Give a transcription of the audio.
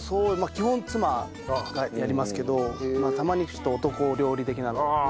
基本妻がやりますけどたまにちょっと男料理的なのを。